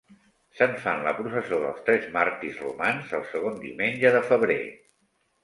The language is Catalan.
Se'n fan la processó dels tres màrtirs romans el segon diumenge de febrer.